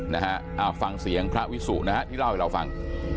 นะฮะอ่าฟังเสียงพระวิสุนะฮะที่เล่าให้เราฟัง